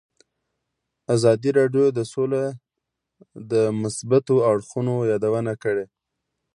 ازادي راډیو د سوله د مثبتو اړخونو یادونه کړې.